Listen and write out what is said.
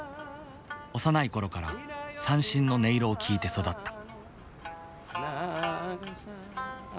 幼い頃から三線の音色を聴いて育った。